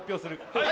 はい？